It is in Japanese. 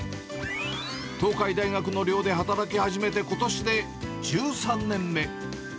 東海大学の寮で働き始めてことしで１３年目。